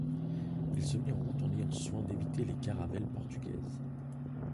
Il se mit en route en ayant soin d'éviter les caravelles portugaises.